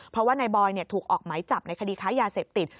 เพราะว่านายบอยถูกออกไหมจับในคดีค้ายาเสพติด